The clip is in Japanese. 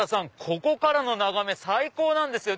ここからの眺め最高なんですよ。